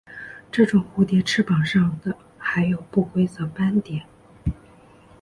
这种蝴蝶翅膀上的还有不规则斑点。